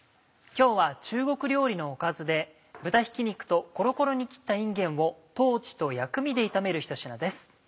今日は中国料理のおかずで豚ひき肉とコロコロに切ったいんげんを豆と薬味で炒めるひと品です。